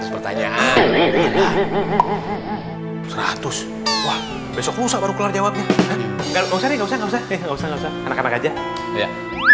seratus pertanyaan seratus besok usah baru keluar jawabnya